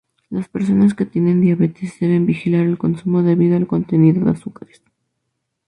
Las personas que tienen diabetes deben vigilar el consumo debido al contenido de azúcares.